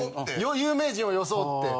有名人を装って。